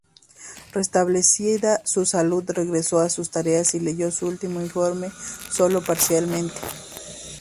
Restablecida su salud, regresó a sus tareas y leyó su último informe sólo parcialmente.